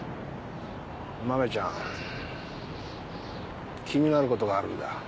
マメちゃん気になることがあるんだ。